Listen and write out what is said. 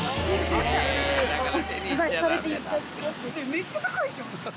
めっちゃ高いじゃん。